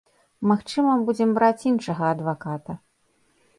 Магчыма, будзем браць іншага адваката.